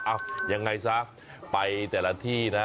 ยังไงซะไปแต่ละที่นะ